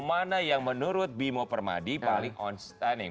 mana yang menurut bimo permadi paling on stunning